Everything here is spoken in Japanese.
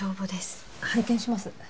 拝見します。